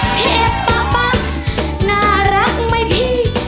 เทปป้าป่าน่ารักไหมพี่